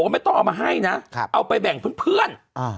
เลยมาให้นะเอาไปแบ่งเพื่อน